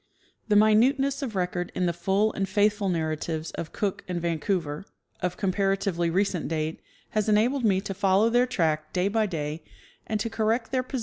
The minuteness of record in the full and faithful narratives of Cook and Vancouver, of comparatively recent date, has enabled me to follow their track day by day, and to correct their posi The early Explorers.